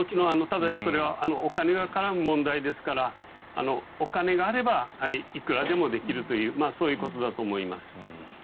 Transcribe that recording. ただし、それはお金が絡む問題ですからお金があればいくらでもできるというそういうことだと思います。